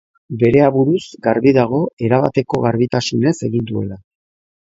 Bere aburuz, garbi dago erabateko garbitasunez egin zuela.